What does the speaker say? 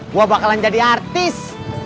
gue bakalan jadi artis